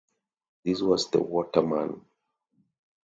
This was the waterman.